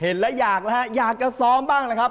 เห็นแล้วอยากนะฮะอยากจะซ้อมบ้างนะครับ